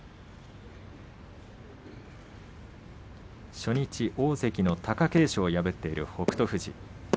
初日大関の貴景勝を破っている北勝富士。